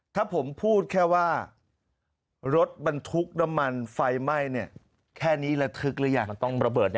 ถ้าผมพูดแค่ว่ารถบรรทุกน้ำมันไฟไหม้เนี่ยแค่นี้ระทึกหรือยัง